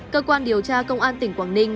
cơ quan điều tra công an tỉnh quảng ninh